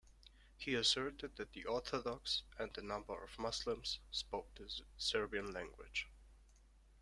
He asserted that the Orthodox, and a number of Muslims, spoke the Serbian language.